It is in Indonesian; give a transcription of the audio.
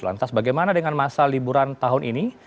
lantas bagaimana dengan masa liburan tahun ini